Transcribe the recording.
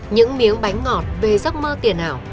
những miếng bánh ngọt về giấc mơ tiền ảo